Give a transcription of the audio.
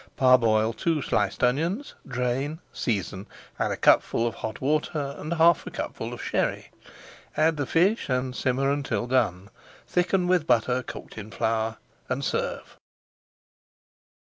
Parboil two sliced onions, drain, season, add a cupful of hot water and half a cupful of Sherry. Add the fish and simmer until done. Thicken with butter cooked in flour, and serve.